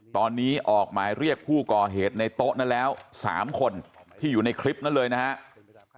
ตอนนี้ออกหมายเรียกผู้ก่อเหตุในโต๊ะนั้นแล้ว๓คนที่อยู่ในคลิปนั้นเลยนะครับ